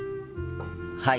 はい。